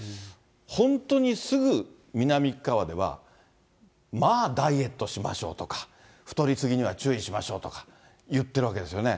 本当にすぐ南っ側では、まあダイエットしましょうとか、太り過ぎには注意しましょうとか言ってるわけですよね。